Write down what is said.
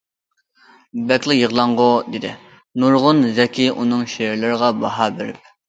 « بەكلا يىغلاڭغۇ» دېدى نۇرغۇن زەكىي ئۇنىڭ شېئىرلىرىغا باھا بېرىپ.